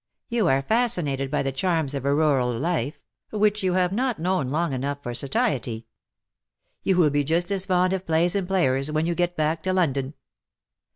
You are fasci nated by the charms of a rural life, which you have not known long enough for satiety. You will be just as fond of plays and players when you get back to London."